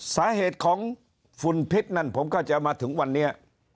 สาเหตุของฝุ่นพิษนั่นผมก็จะมาถึงวันนี้